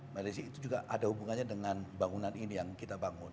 mbak desi itu juga ada hubungannya dengan bangunan ini yang kita bangun